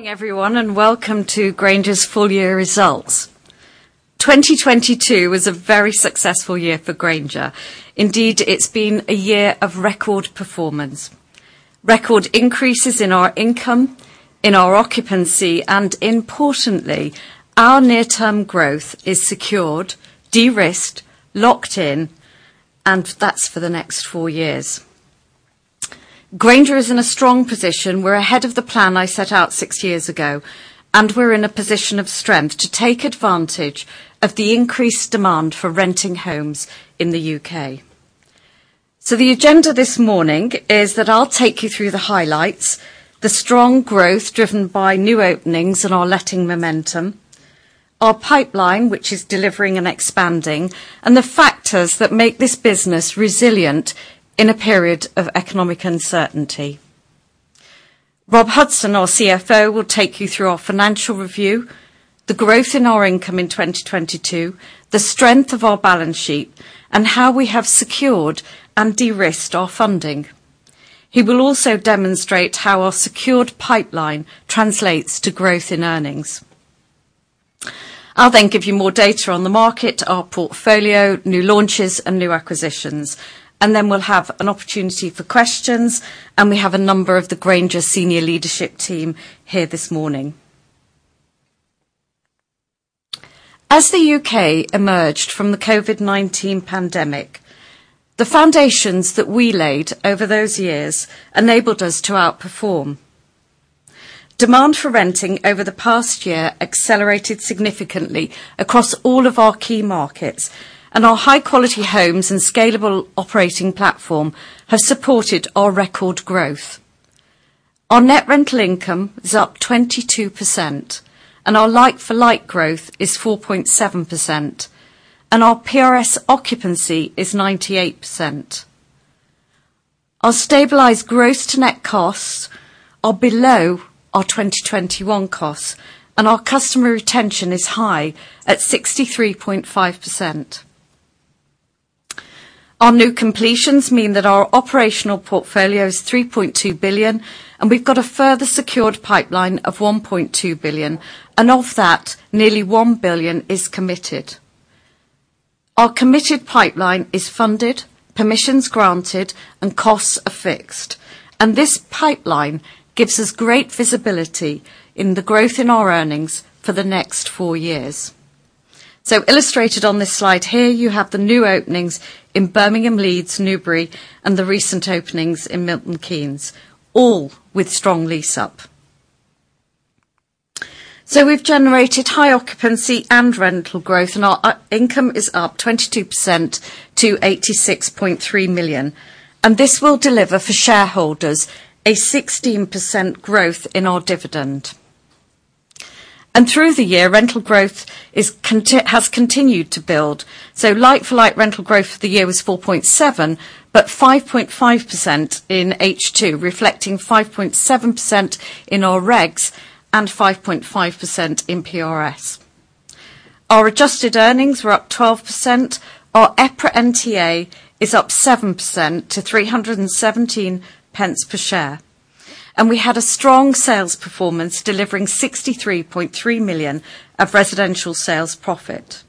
Good morning, everyone, and welcome to Grainger's full year results. 2022 was a very successful year for Grainger. Indeed, it's been a year of record performance. Record increases in our income, in our occupancy, and importantly, our near-term growth is secured, de-risked, locked in, and that's for the next four years. Grainger is in a strong position. We're ahead of the plan I set out six years ago, and we're in a position of strength to take advantage of the increased demand for renting homes in the U.K. The agenda this morning is that I'll take you through the highlights, the strong growth driven by new openings and our letting momentum, our pipeline, which is delivering and expanding, and the factors that make this business resilient in a period of economic uncertainty. Rob Hudson, our CFO, will take you through our financial review, the growth in our income in 2022, the strength of our balance sheet, and how we have secured and de-risked our funding. He will also demonstrate how our secured pipeline translates to growth in earnings. I'll then give you more data on the market, our portfolio, new launches, and new acquisitions. We'll have an opportunity for questions, and we have a number of the Grainger senior leadership team here this morning. As the U.K. emerged from the COVID-19 pandemic, the foundations that we laid over those years enabled us to outperform. Demand for renting over the past year accelerated significantly across all of our key markets, and our high-quality homes and scalable operating platform have supported our record growth. Our net rental income is up 22%, and our like-for-like growth is 4.7%, and our PRS occupancy is 98%. Our stabilized gross-to-net costs are below our 2021 costs, and our customer retention is high at 63.5%. Our new completions mean that our operational portfolio is 3.2 billion, and we've got a further secured pipeline of 1.2 billion. Of that, nearly 1 billion is committed. Our committed pipeline is funded, permissions granted, and costs are fixed. This pipeline gives us great visibility in the growth in our earnings for the next four years. Illustrated on this slide here, you have the new openings in Birmingham, Leeds, Newbury, and the recent openings in Milton Keynes, all with strong lease up. We've generated high occupancy and rental growth, and our income is up 22% to 86.3 million, and this will deliver for shareholders a 16% growth in our dividend. Through the year, rental growth has continued to build. Like-for-like rental growth for the year was 4.7%, but 5.5% in H2, reflecting 5.7% in our regs and 5.5% in PRS. Our adjusted earnings were up 12%. Our EPRA NTA is up 7% to 3.17 per share. We had a strong sales performance, delivering 63.3 million of residential sales profit.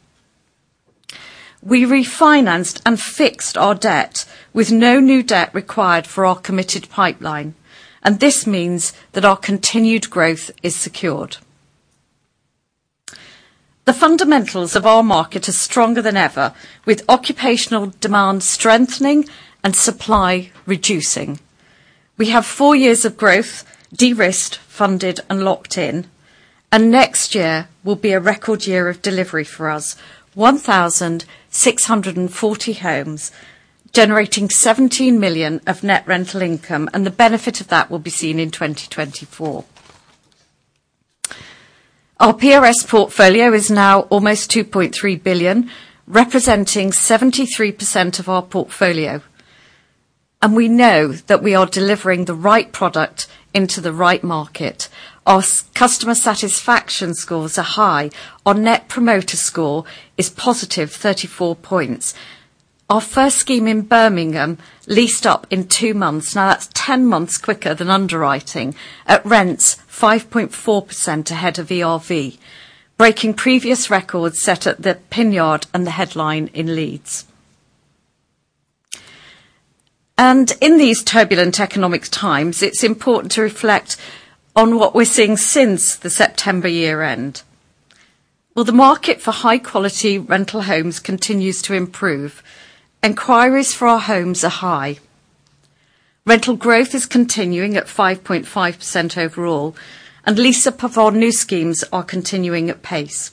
We refinanced and fixed our debt with no new debt required for our committed pipeline, and this means that our continued growth is secured. The fundamentals of our market are stronger than ever with occupational demand strengthening and supply reducing. We have four years of growth, de-risked, funded, and locked in, and next year will be a record year of delivery for us. 1,640 homes generating 17 million of net rental income, and the benefit of that will be seen in 2024. Our PRS portfolio is now almost 2.3 billion, representing 73% of our portfolio. We know that we are delivering the right product into the right market. Our customer satisfaction scores are high. Our Net Promoter Score is +34 points. Our first scheme in Birmingham leased up in two months. Now, that's 10 months quicker than underwriting at rents 5.4% ahead of ERV, breaking previous records set at the Pin Yard and The Headline in Leeds. In these turbulent economic times, it's important to reflect on what we're seeing since the September year-end. Well, the market for high-quality rental homes continues to improve. Inquiries for our homes are high. Rental growth is continuing at 5.5% overall, and lease-up of our new schemes are continuing at pace.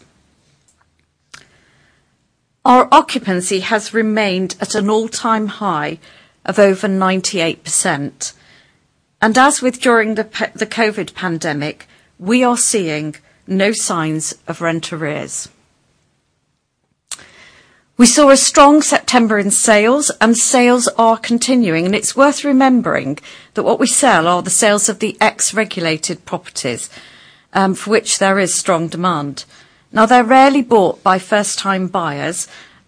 Our occupancy has remained at an all-time high of over 98%. As with during the COVID pandemic, we are seeing no signs of rent arrears. We saw a strong September in sales, and sales are continuing. It's worth remembering that what we sell are the sales of the ex-regulated properties for which there is strong demand. Now, they're rarely bought by first-time buyers,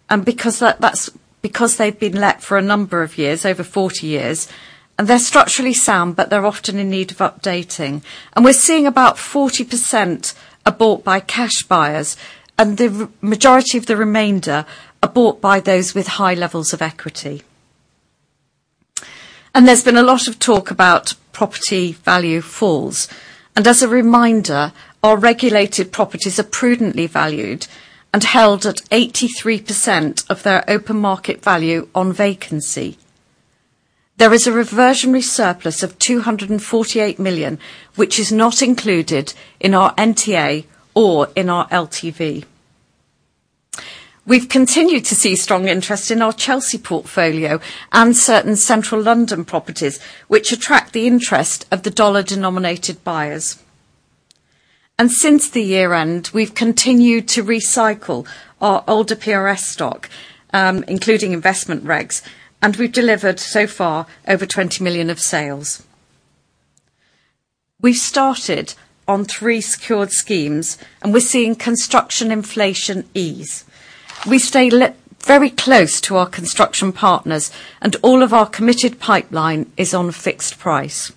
and that's because they've been let for a number of years, over 40 years. They're structurally sound, but they're often in need of updating. We're seeing about 40% are bought by cash buyers, and the majority of the remainder are bought by those with high levels of equity. There's been a lot of talk about property value falls. As a reminder, our regulated properties are prudently valued and held at 83% of their open market value on vacancy. There is a reversionary surplus of 248 million, which is not included in our NTA or in our LTV. We've continued to see strong interest in our Chelsea portfolio and certain central London properties, which attract the interest of the dollar-denominated buyers. Since the year-end, we've continued to recycle our older PRS stock, including investment regs, and we've delivered so far over 20 million of sales. We started on three secured schemes, and we're seeing construction inflation ease. We stay very close to our construction partners, and all of our committed pipeline is on fixed price.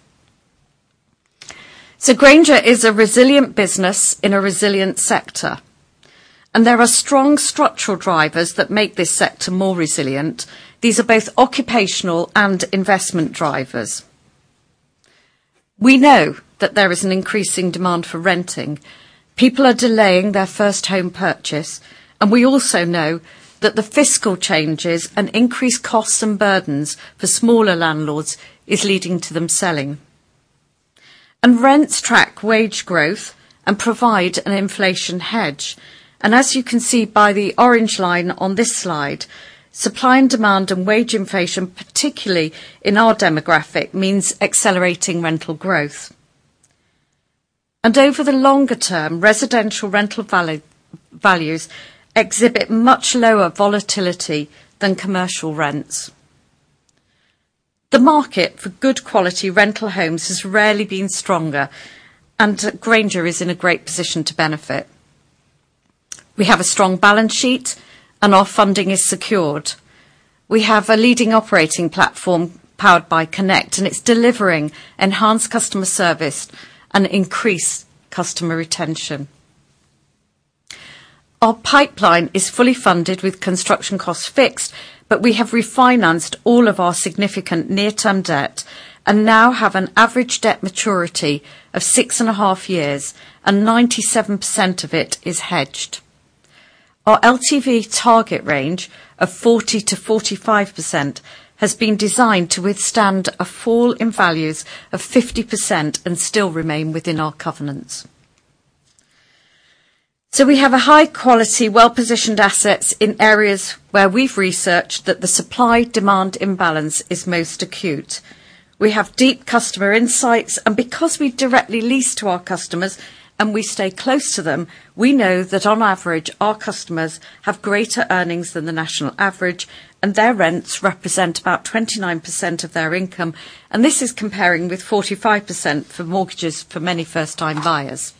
Grainger is a resilient business in a resilient sector, and there are strong structural drivers that make this sector more resilient. These are both occupational and investment drivers. We know that there is an increasing demand for renting. People are delaying their first home purchase, and we also know that the fiscal changes and increased costs and burdens for smaller landlords is leading to them selling. Rents track wage growth and provide an inflation hedge. As you can see by the orange line on this slide, supply and demand and wage inflation, particularly in our demographic, means accelerating rental growth. Over the longer term, residential rental values exhibit much lower volatility than commercial rents. The market for good quality rental homes has rarely been stronger, and Grainger is in a great position to benefit. We have a strong balance sheet, and our funding is secured. We have a leading operating platform powered by CONNECT, and it's delivering enhanced customer service and increased customer retention. Our pipeline is fully funded with construction costs fixed, but we have refinanced all of our significant near-term debt and now have an average debt maturity of six and a half years, and 97% of it is hedged. Our LTV target range of 40%-45% has been designed to withstand a fall in values of 50% and still remain within our covenants. We have a high-quality, well-positioned assets in areas where we've researched that the supply-demand imbalance is most acute. We have deep customer insights, and because we directly lease to our customers and we stay close to them, we know that on average, our customers have greater earnings than the national average, and their rents represent about 29% of their income, and this is comparing with 45% for mortgages for many first-time buyers.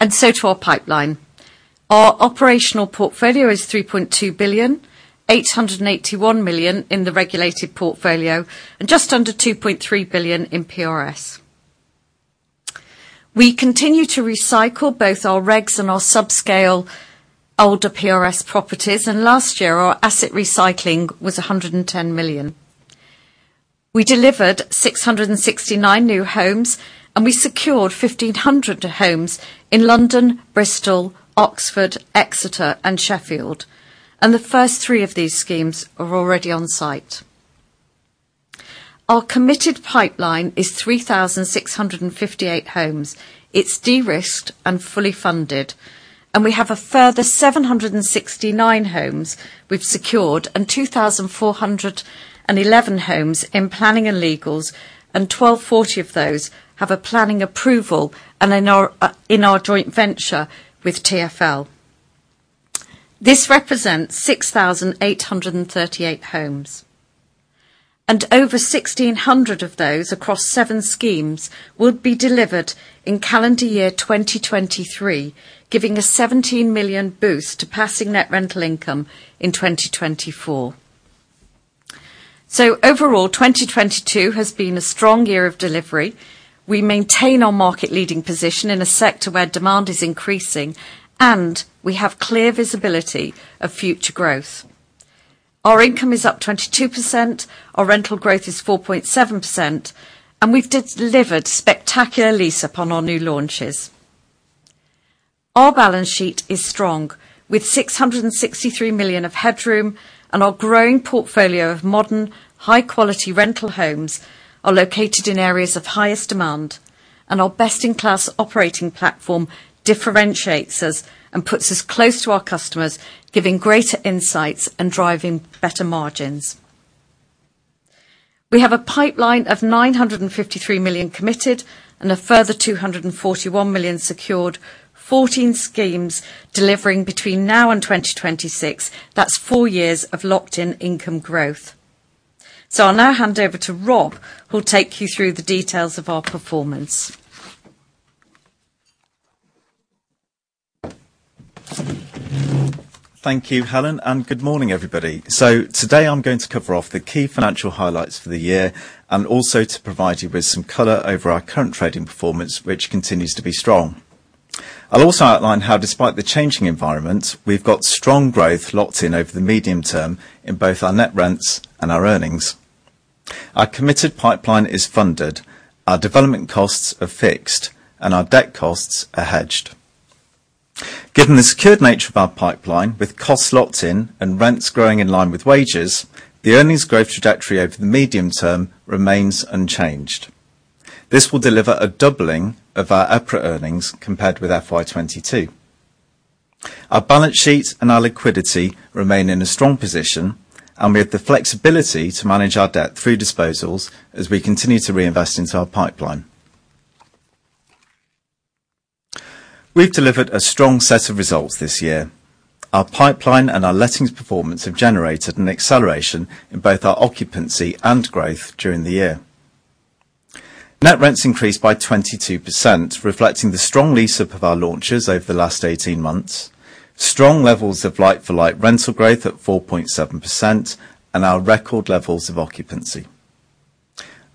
To our pipeline. Our operational portfolio is 3.2 billion, 881 million in the regulated portfolio, and just under 2.3 billion in PRS. We continue to recycle both our regs and our subscale older PRS properties, and last year, our asset recycling was 110 million. We delivered 669 new homes, and we secured 1,500 homes in London, Bristol, Oxford, Exeter, and Sheffield. The first three of these schemes are already on-site. Our committed pipeline is 3,658 homes. It's de-risked and fully funded. We have a further 769 homes we've secured and 2,411 homes in planning and legals, and 1,240 of those have a planning approval and in our joint venture with TfL. This represents 6,838 homes. Over 1,600 of those across seven schemes will be delivered in calendar year 2023, giving a 17 million boost to passing net rental income in 2024. Overall, 2022 has been a strong year of delivery. We maintain our market-leading position in a sector where demand is increasing, and we have clear visibility of future growth. Our income is up 22%, our rental growth is 4.7%, and we've delivered spectacular lease-up on our new launches. Our balance sheet is strong, with 663 million of headroom, and our growing portfolio of modern, high-quality rental homes are located in areas of highest demand. Our best-in-class operating platform differentiates us and puts us close to our customers, giving greater insights and driving better margins. We have a pipeline of 953 million committed and a further 241 million secured, 14 schemes delivering between now and 2026. That's four years of locked-in income growth. I'll now hand over to Rob, who'll take you through the details of our performance. Thank you, Helen, and good morning, everybody. Today I'm going to cover off the key financial highlights for the year and also to provide you with some color over our current trading performance, which continues to be strong. I'll also outline how, despite the changing environment, we've got strong growth locked in over the medium term in both our net rents and our earnings. Our committed pipeline is funded, our development costs are fixed, and our debt costs are hedged. Given the secured nature of our pipeline, with costs locked in and rents growing in line with wages, the earnings growth trajectory over the medium term remains unchanged. This will deliver a doubling of our EPRA earnings compared with FY 2022. Our balance sheet and our liquidity remain in a strong position, and we have the flexibility to manage our debt through disposals as we continue to reinvest into our pipeline. We've delivered a strong set of results this year. Our pipeline and our lettings performance have generated an acceleration in both our occupancy and growth during the year. Net rents increased by 22%, reflecting the strong lease up of our launches over the last 18 months, strong levels of like-for-like rental growth at 4.7%, and our record levels of occupancy.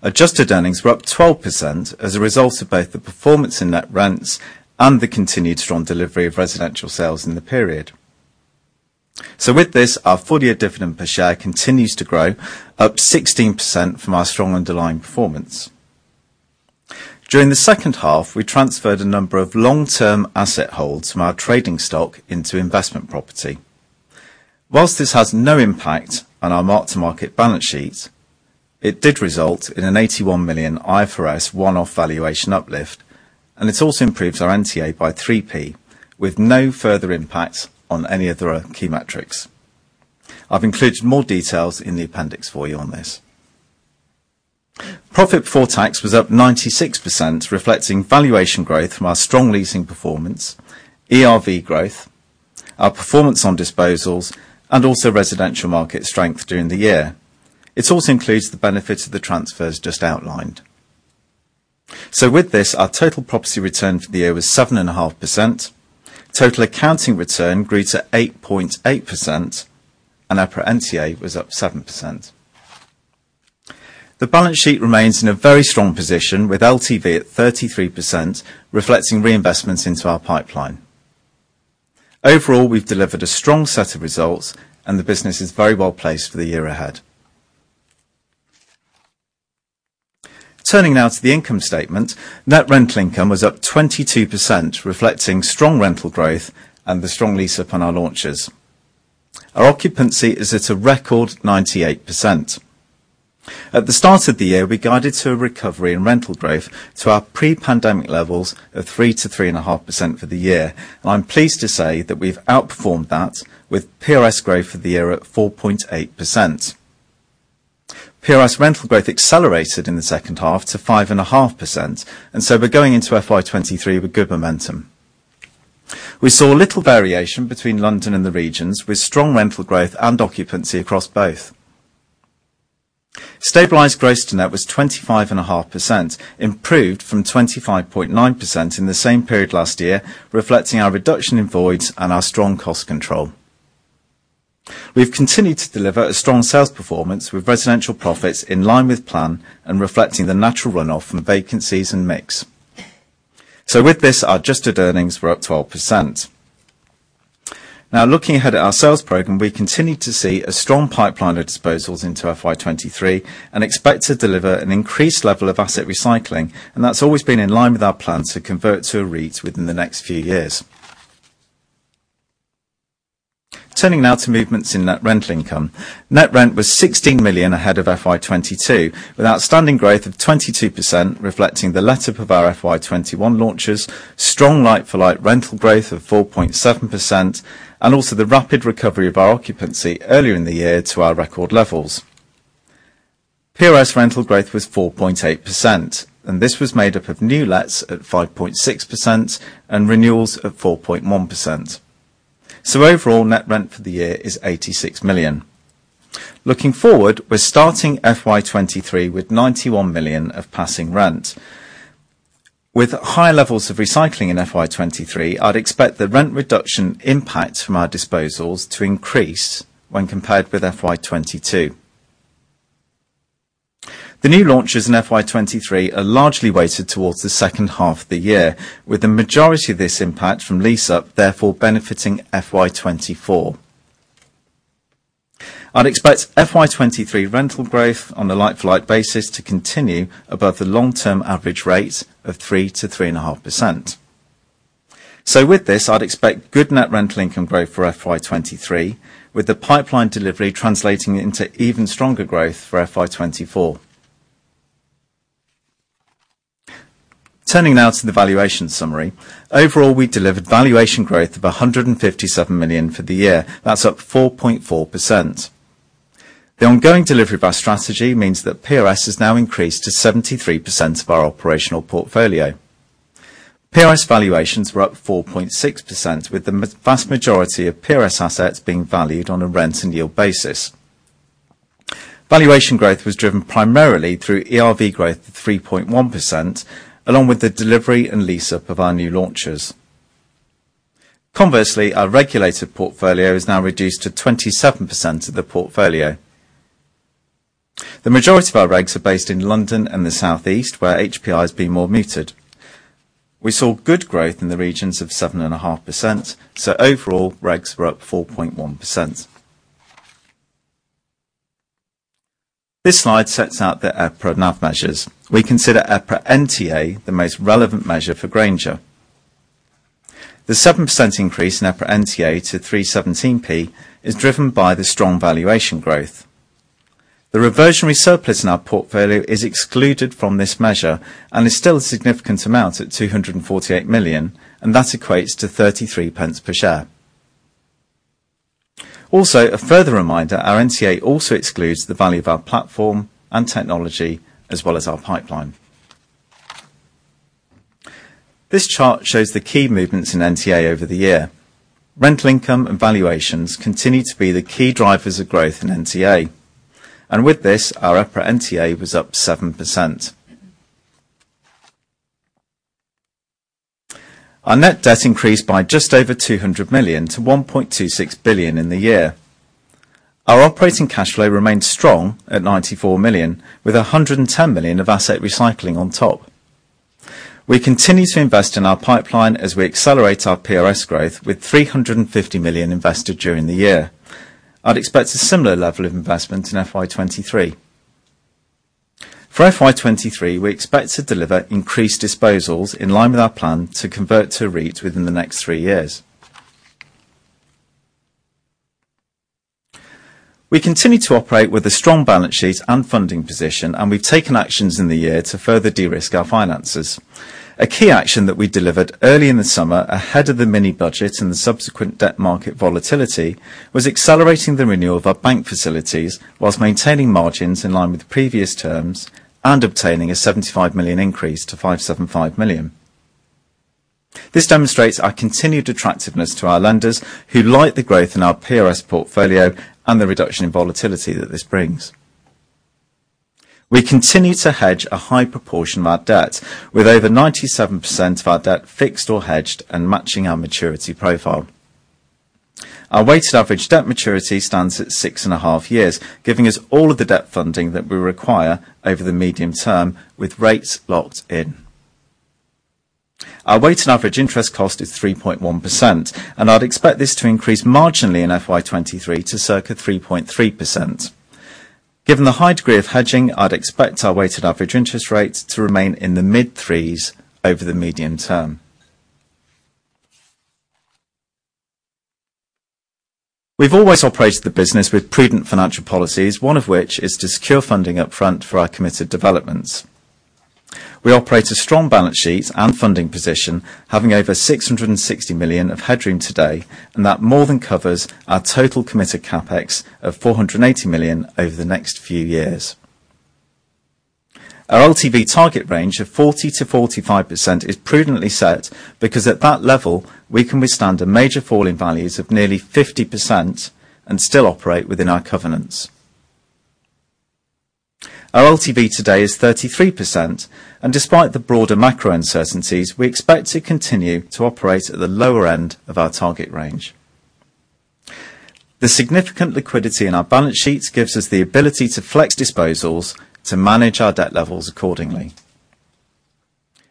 Adjusted earnings were up 12% as a result of both the performance in net rents and the continued strong delivery of residential sales in the period. With this, our full-year dividend per share continues to grow up 16% from our strong underlying performance. During the second half, we transferred a number of long-term asset holds from our trading stock into investment property. Whilst this has no impact on our mark-to-market balance sheet, it did result in a 81 million IFRS one-off valuation uplift, and it's also improved our NTA by 0.03, with no further impact on any other key metrics. I've included more details in the appendix for you on this. Profit before tax was up 96%, reflecting valuation growth from our strong leasing performance, ERV growth, our performance on disposals, and also residential market strength during the year. It also includes the benefits of the transfers just outlined. With this, our total property return for the year was 7.5%, total accounting return grew to 8.8%, and EPRA NTA was up 7%. The balance sheet remains in a very strong position, with LTV at 33%, reflecting reinvestments into our pipeline. Overall, we've delivered a strong set of results and the business is very well placed for the year ahead. Turning now to the income statement. Net rental income was up 22%, reflecting strong rental growth and the strong lease-up on our launches. Our occupancy is at a record 98%. At the start of the year, we guided to a recovery in rental growth to our pre-pandemic levels of 3%-3.5% for the year, and I'm pleased to say that we've outperformed that with PRS growth for the year at 4.8%. PRS rental growth accelerated in the second half to 5.5%, and so we're going into FY 2023 with good momentum. We saw little variation between London and the regions, with strong rental growth and occupancy across both. Stabilized gross-to-net was 25.5%, improved from 25.9% in the same period last year, reflecting our reduction in voids and our strong cost control. We've continued to deliver a strong sales performance with residential profits in line with plan and reflecting the natural runoff from vacancies and mix. With this, our adjusted earnings were up 12%. Now, looking ahead at our sales program, we continue to see a strong pipeline of disposals into FY 2023 and expect to deliver an increased level of asset recycling, and that's always been in line with our plans to convert to a REIT within the next few years. Turning now to movements in net rental income. Net rent was 16 million ahead of FY 2022, with outstanding growth of 22%, reflecting the let up of our FY 2021 launches, strong like-for-like rental growth of 4.7%, and also the rapid recovery of our occupancy earlier in the year to our record levels. PRS rental growth was 4.8%, and this was made up of new lets at 5.6% and renewals at 4.1%. Overall, net rent for the year is 86 million. Looking forward, we're starting FY 2023 with 91 million of passing rent. With high levels of recycling in FY 2023, I'd expect the rent reduction impact from our disposals to increase when compared with FY 2022. The new launches in FY 2023 are largely weighted towards the second half of the year, with the majority of this impact from lease up therefore benefiting FY 2024. I'd expect FY 2023 rental growth on a like-for-like basis to continue above the long-term average rate of 3%-3.5%. So with this, I'd expect good net rental income growth for FY 2023, with the pipeline delivery translating into even stronger growth for FY 2024. Turning now to the valuation summary. Overall, we delivered valuation growth of a 170 million for the year. That's up 4.4%. The ongoing delivery of our strategy means that PRS has now increased to 73% of our operational portfolio. PRS valuations were up 4.6%, with the vast majority of PRS assets being valued on a rent and yield basis. Valuation growth was driven primarily through ERV growth, 3.1%, along with the delivery and lease up of our new launches. Conversely, our regulated portfolio is now reduced to 27% of the portfolio. The majority of our regs are based in London and the South East where HPI has been more muted. We saw good growth in the regions of 7.5%, so overall regs were up 4.1%. This slide sets out the EPRA NAV measures. We consider EPRA NTA the most relevant measure for Grainger. The 7% increase in EPRA NTA to 317p is driven by the strong valuation growth. The reversionary surplus in our portfolio is excluded from this measure and is still a significant amount at 248 million, and that equates to 0.33 per share. Also, a further reminder, our NTA also excludes the value of our platform and technology, as well as our pipeline. This chart shows the key movements in NTA over the year. Rental income and valuations continue to be the key drivers of growth in NTA. With this, our EPRA NTA was up 7%. Our net debt increased by just over 200 million to 1.26 billion in the year. Our operating cash flow remains strong at 94 million, with 110 million of asset recycling on top. We continue to invest in our pipeline as we accelerate our PRS growth with 350 million invested during the year. I'd expect a similar level of investment in FY 2023. For FY 2023, we expect to deliver increased disposals in line with our plan to convert to REIT within the next three years. We continue to operate with a strong balance sheet and funding position, and we've taken actions in the year to further de-risk our finances. A key action that we delivered early in the summer ahead of the mini-budget and the subsequent debt market volatility was accelerating the renewal of our bank facilities whilst maintaining margins in line with previous terms and obtaining a 75 million increase to 575 million. This demonstrates our continued attractiveness to our lenders, who like the growth in our PRS portfolio and the reduction in volatility that this brings. We continue to hedge a high proportion of our debt with over 97% of our debt fixed or hedged and matching our maturity profile. Our weighted average debt maturity stands at six and a half years, giving us all of the debt funding that we require over the medium term with rates locked in. Our weighted average interest cost is 3.1%, and I'd expect this to increase marginally in FY 2023 to circa 3.3%. Given the high degree of hedging, I'd expect our weighted average interest rates to remain in the mid-threes over the medium term. We've always operated the business with prudent financial policies, one of which is to secure funding up front for our committed developments. We operate a strong balance sheet and funding position, having over 660 million of headroom today, and that more than covers our total committed CapEx of 480 million over the next few years. Our LTV target range of 40%-45% is prudently set because at that level, we can withstand a major fall in values of nearly 50% and still operate within our covenants. Our LTV today is 33%, and despite the broader macro uncertainties, we expect to continue to operate at the lower end of our target range. The significant liquidity in our balance sheet gives us the ability to flex disposals to manage our debt levels accordingly.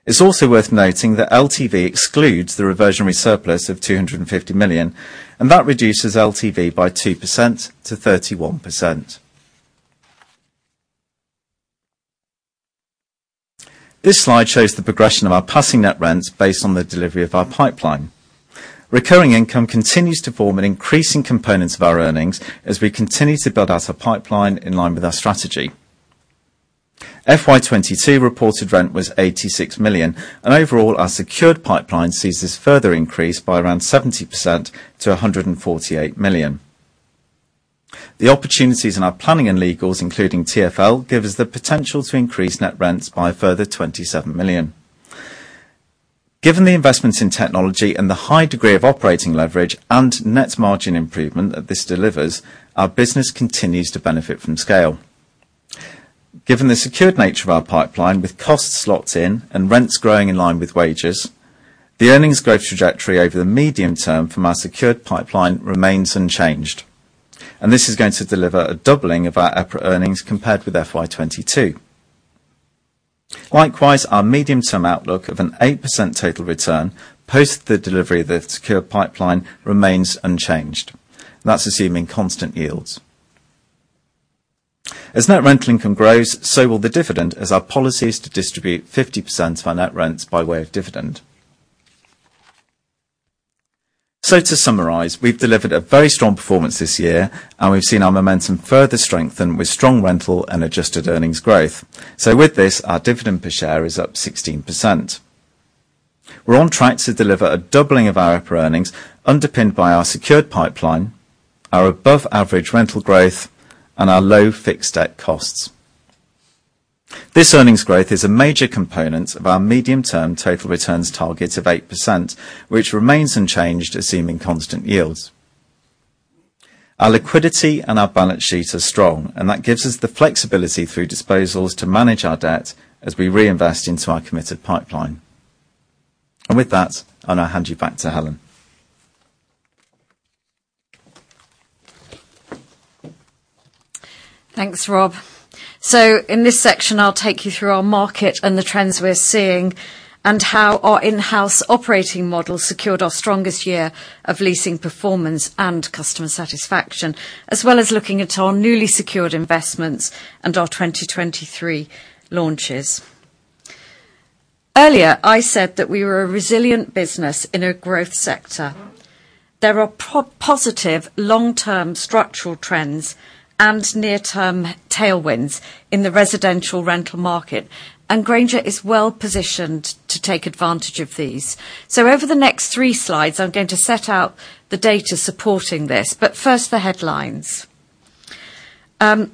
It's also worth noting that LTV excludes the reversionary surplus of 250 million, and that reduces LTV by 2%-31%. This slide shows the progression of our passing net rents based on the delivery of our pipeline. Recurring income continues to form an increasing component of our earnings as we continue to build out a pipeline in line with our strategy. FY 2022 reported rent was 86 million, and overall, our secured pipeline sees this further increase by around 70% to 148 million. The opportunities in our planning and legals, including TfL, give us the potential to increase net rents by a further 27 million. Given the investments in technology and the high degree of operating leverage and net margin improvement that this delivers, our business continues to benefit from scale. Given the secured nature of our pipeline with costs locked in and rents growing in line with wages, the earnings growth trajectory over the medium term from our secured pipeline remains unchanged, and this is going to deliver a doubling of our EPRA earnings compared with FY 2022. Likewise, our medium-term outlook of an 8% total return post the delivery of the secure pipeline remains unchanged. That's assuming constant yields. As net rental income grows, so will the dividend as our policy is to distribute 50% of our net rents by way of dividend. To summarize, we've delivered a very strong performance this year and we've seen our momentum further strengthen with strong rental and adjusted earnings growth. With this, our dividend per share is up 16%. We're on track to deliver a doubling of our EPRA earnings underpinned by our secured pipeline, our above-average rental growth, and our low fixed debt costs. This earnings growth is a major component of our medium-term total returns target of 8%, which remains unchanged assuming constant yields. Our liquidity and our balance sheet are strong, and that gives us the flexibility through disposals to manage our debt as we reinvest into our committed pipeline. With that, I now hand you back to Helen. Thanks, Rob. In this section, I'll take you through our market and the trends we're seeing and how our in-house operating model secured our strongest year of leasing performance and customer satisfaction, as well as looking at our newly secured investments and our 2023 launches. Earlier, I said that we were a resilient business in a growth sector. There are positive long-term structural trends and near-term tailwinds in the residential rental market, and Grainger is well-positioned to take advantage of these. Over the next three slides, I'm going to set out the data supporting this. First, the headlines. We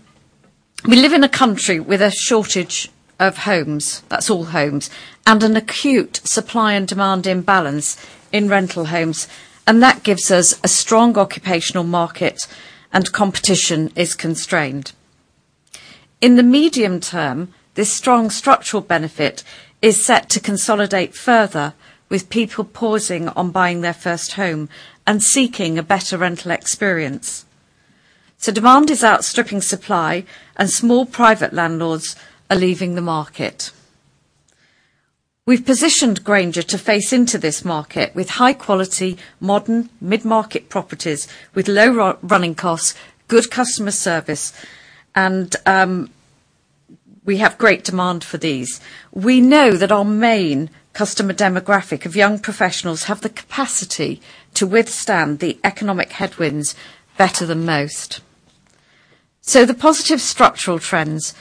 live in a country with a shortage of homes, that's all homes, and an acute supply and demand imbalance in rental homes, and that gives us a strong occupational market and competition is constrained. In the medium term, this strong structural benefit is set to consolidate further with people pausing on buying their first home and seeking a better rental experience. Demand is outstripping supply and small private landlords are leaving the market. We've positioned Grainger to face into this market with high-quality, modern, mid-market properties with low running costs, good customer service, and we have great demand for these. We know that our main customer demographic of young professionals have the capacity to withstand the economic headwinds better than most. The positive structural trends.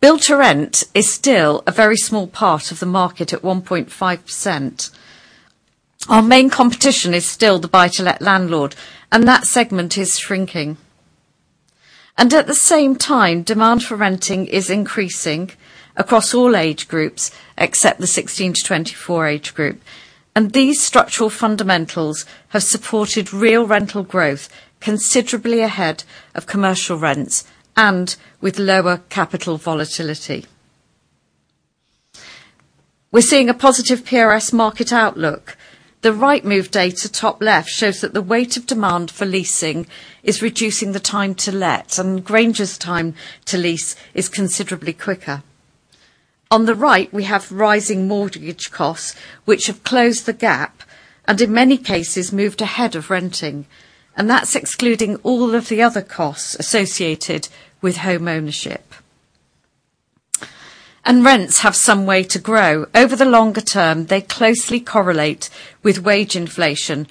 Build to Rent is still a very small part of the market at 1.5%. Our main competition is still the buy-to-let landlord, and that segment is shrinking. At the same time, demand for renting is increasing across all age groups, except the 16-24 age group. These structural fundamentals have supported real rental growth considerably ahead of commercial rents and with lower capital volatility. We're seeing a positive PRS market outlook. The Rightmove data, top left, shows that the weight of demand for leasing is reducing the time to let, and Grainger's time to lease is considerably quicker. On the right, we have rising mortgage costs, which have closed the gap and, in many cases, moved ahead of renting. That's excluding all of the other costs associated with homeownership. Rents have some way to grow. Over the longer term, they closely correlate with wage inflation,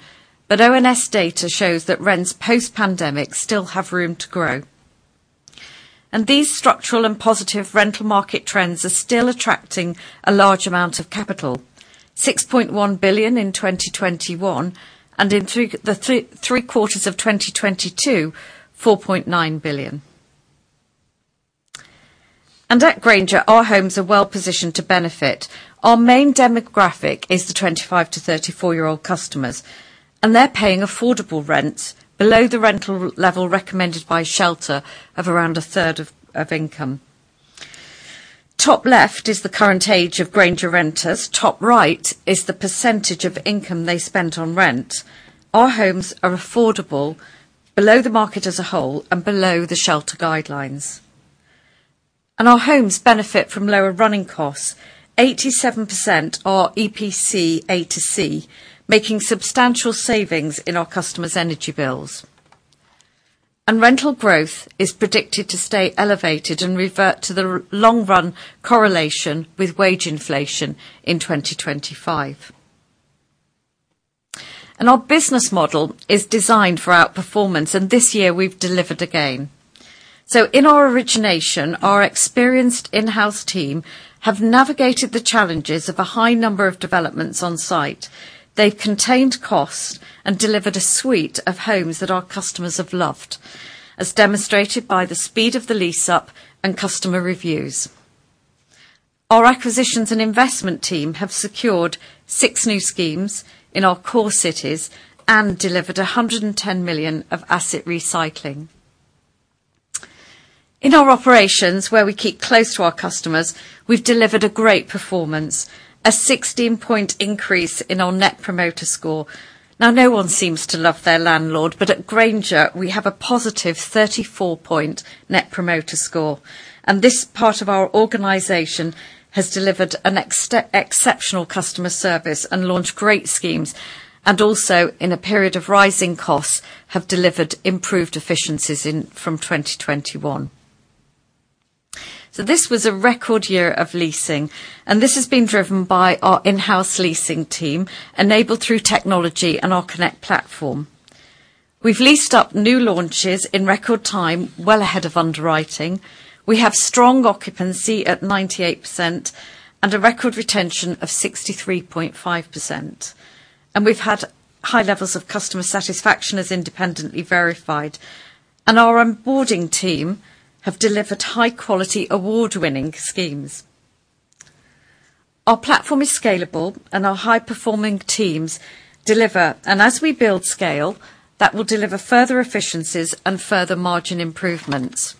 but ONS data shows that rents post-pandemic still have room to grow. These structural and positive rental market trends are still attracting a large amount of capital, 6.1 billion in 2021 and in three quarters of 2022, 4.9 billion. At Grainger, our homes are well-positioned to benefit. Our main demographic is the 25-34-year-old customers, and they're paying affordable rents below the rental level recommended by Shelter of around a third of income. Top left is the current age of Grainger renters. Top right is the percentage of income they spend on rent. Our homes are affordable, below the market as a whole and below the Shelter guidelines. Our homes benefit from lower running costs. 87% are EPC A-C, making substantial savings in our customers' energy bills. Rental growth is predicted to stay elevated and revert to the long-run correlation with wage inflation in 2025. Our business model is designed for outperformance, and this year we've delivered again. In our origination, our experienced in-house team have navigated the challenges of a high number of developments on site. They've contained costs and delivered a suite of homes that our customers have loved, as demonstrated by the speed of the lease-up and customer reviews. Our acquisitions and investment team have secured six new schemes in our core cities and delivered 110 million of asset recycling. In our operations, where we keep close to our customers, we've delivered a great performance, a 16-point increase in our Net Promoter Score. Now, no one seems to love their landlord, but at Grainger, we have a positive 34-point Net Promoter Score, and this part of our organization has delivered exceptional customer service and launched great schemes, and also, in a period of rising costs, have delivered improved efficiencies from 2021. This was a record year of leasing, and this has been driven by our in-house leasing team, enabled through technology and our CONNECT platform. We've leased up new launches in record time, well ahead of underwriting. We have strong occupancy at 98% and a record retention of 63.5%. We've had high levels of customer satisfaction as independently verified, and our onboarding team have delivered high quality award-winning schemes. Our platform is scalable and our high performing teams deliver. As we build scale, that will deliver further efficiencies and further margin improvements.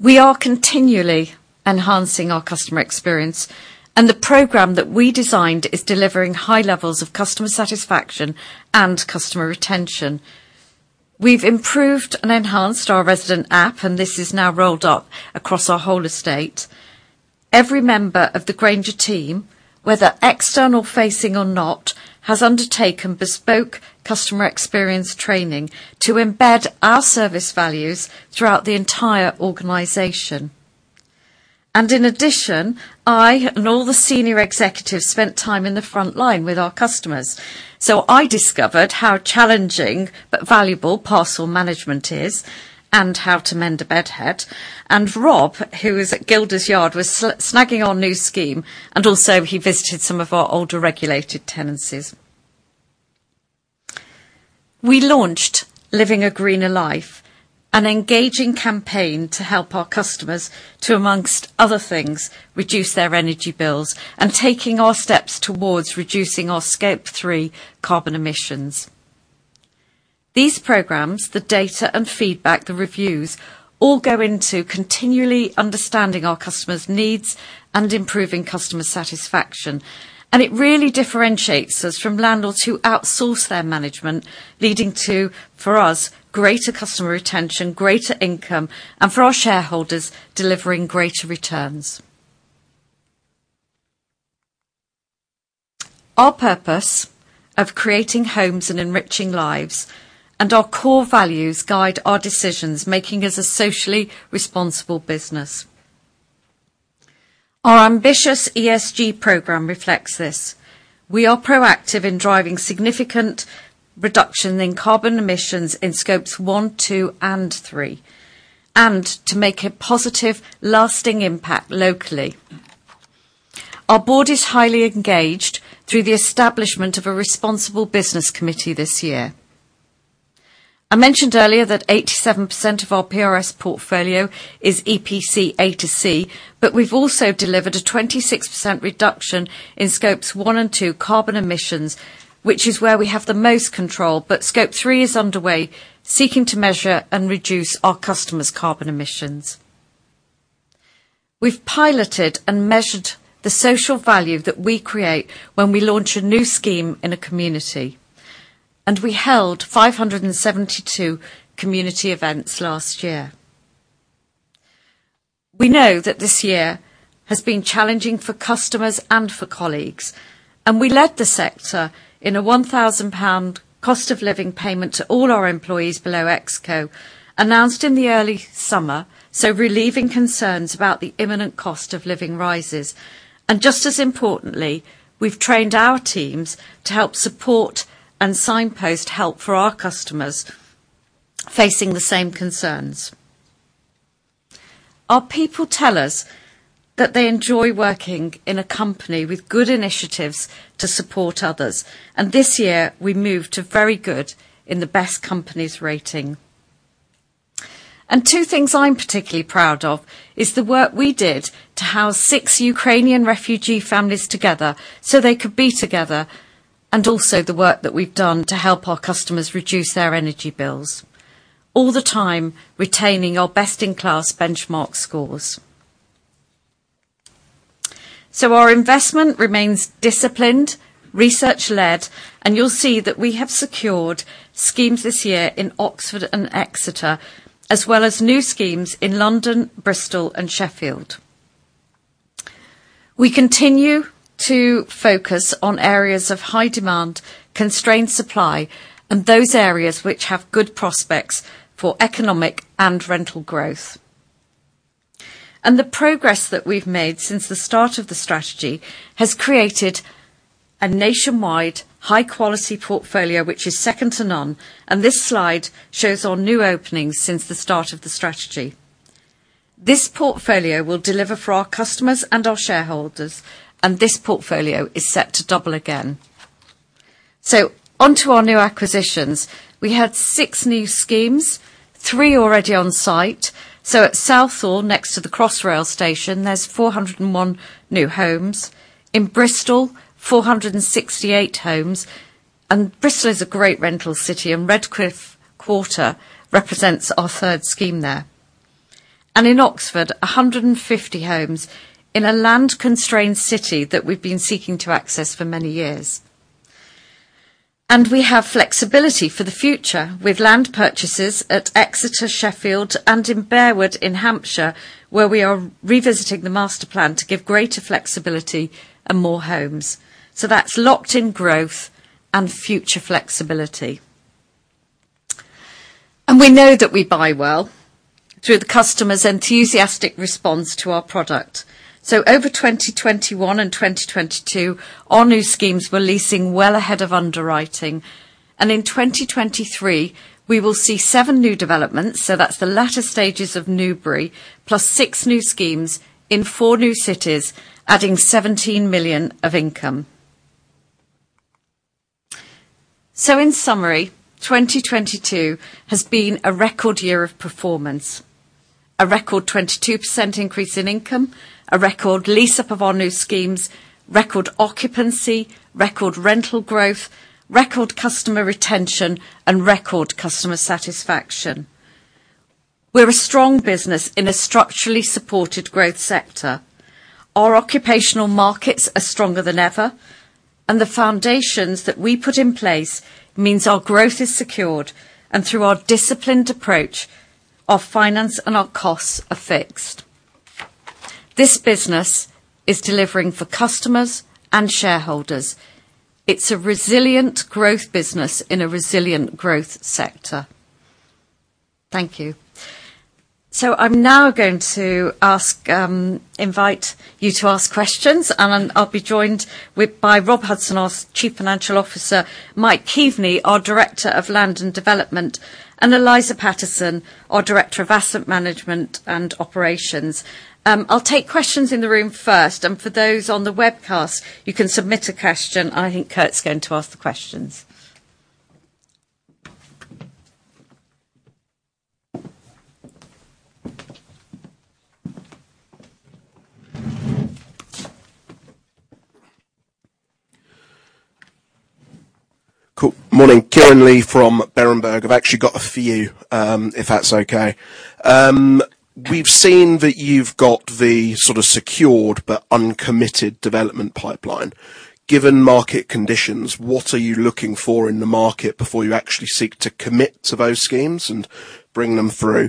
We are continually enhancing our customer experience and the program that we designed is delivering high levels of customer satisfaction and customer retention. We've improved and enhanced our resident app, and this is now rolled out across our whole estate. Every member of the Grainger team, whether external facing or not, has undertaken bespoke customer experience training to embed our service values throughout the entire organization. In addition, I and all the senior executives spent time in the front line with our customers. I discovered how challenging but valuable parcel management is and how to mend a bed head. Rob, who is at Gilders Yard, was snagging our new scheme, and also he visited some of our older regulated tenancies. We launched Living a Greener Life, an engaging campaign to help our customers to, amongst other things, reduce their energy bills and taking our steps towards reducing our Scope three carbon emissions. These programs, the data and feedback, the reviews, all go into continually understanding our customer's needs and improving customer satisfaction. It really differentiates us from landlords who outsource their management leading to, for us, greater customer retention, greater income, and for our shareholders, delivering greater returns. Our purpose of creating homes and enriching lives and our core values guide our decisions, making us a socially responsible business. Our ambitious ESG program reflects this. We are proactive in driving significant reduction in carbon emissions in Scopes one, two, and three, and to make a positive lasting impact locally. Our board is highly engaged through the establishment of a Responsible Business Committee this year. I mentioned earlier that 87% of our PRS portfolio is EPC A to C, but we've also delivered a 26% reduction in Scopes one and two carbon emissions, which is where we have the most control. Scope three is underway, seeking to measure and reduce our customers' carbon emissions. We've piloted and measured the social value that we create when we launch a new scheme in a community, and we held 572 community events last year. We know that this year has been challenging for customers and for colleagues, and we led the sector in a 1,000 pound cost of living payment to all our employees below ExCo announced in the early summer, so relieving concerns about the imminent cost of living rises. Just as importantly, we've trained our teams to help support and signpost help for our customers facing the same concerns. Our people tell us that they enjoy working in a company with good initiatives to support others, and this year we moved to Very Good in the Best Companies rating. Two things I'm particularly proud of is the work we did to house six Ukrainian refugee families together so they could be together, and also the work that we've done to help our customers reduce their energy bills, all the time retaining our best-in-class benchmark scores. Our investment remains disciplined, research-led, and you'll see that we have secured schemes this year in Oxford and Exeter, as well as new schemes in London, Bristol, and Sheffield. We continue to focus on areas of high demand, constrained supply in those areas which have good prospects for economic and rental growth. The progress that we've made since the start of the strategy has created a nationwide high-quality portfolio, which is second to none. This slide shows our new openings since the start of the strategy. This portfolio will deliver for our customers and our shareholders, and this portfolio is set to double again. Onto our new acquisitions. We had six new schemes, three already on site. At Southall, next to the Crossrail station, there's 401 new homes. In Bristol, 468 homes. Bristol is a great rental city, and Redcliffe Quarter represents our third scheme there. In Oxford, 150 homes in a land-constrained city that we've been seeking to access for many years. We have flexibility for the future with land purchases at Exeter, Sheffield, and in Berewood in Hampshire, where we are revisiting the master plan to give greater flexibility and more homes. That's locked in growth and future flexibility. We know that we buy well through the customer's enthusiastic response to our product. Over 2021 and 2022, our new schemes were leasing well ahead of underwriting. In 2023, we will see seven new developments. That's the latter stages of Newbury, plus six new schemes in four new cities, adding 17 million of income. In summary, 2022 has been a record year of performance. A record 22% increase in income, a record lease up of our new schemes, record occupancy, record rental growth, record customer retention, and record customer satisfaction. We're a strong business in a structurally supported growth sector. Our occupational markets are stronger than ever, and the foundations that we put in place means our growth is secured. Through our disciplined approach, our finance and our costs are fixed. This business is delivering for customers and shareholders. It's a resilient growth business in a resilient growth sector. Thank you. I'm now going to invite you to ask questions, and I'll be joined by Rob Hudson, our Chief Financial Officer, Mike Keaveney, our Director of Land and Development, and Eliza Pattinson, our Director of Asset Management and Operations. I'll take questions in the room first, and for those on the webcast, you can submit a question. I think Kurt's going to ask the questions. Cool. Morning, Kieran Lee from Berenberg. I've actually got a few if that's okay. We've seen that you've got the sort of secured but uncommitted development pipeline. Given market conditions, what are you looking for in the market before you actually seek to commit to those schemes and bring them through?